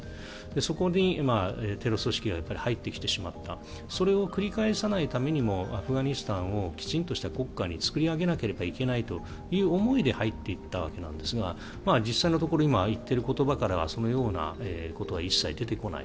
そこにテロ組織が入ってきてしまったそれを繰り返さないためにもアフガニスタンをきちんとした国家に作り上げなければいけないという思いで入っていったわけですが実際のところああいったところからはそのようなことは一切出てこない。